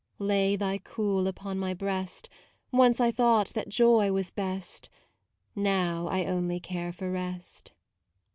Lay thy cool upon my breast: Once I thought that joy was best, Now I only care for rest.